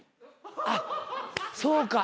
あっそうか。